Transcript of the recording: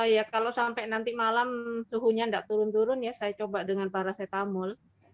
ya kalau sampai nanti malam suhunya tidak turun turun ya saya coba dengan paracetamol